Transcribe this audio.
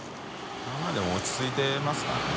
でも落ち着いてますからね。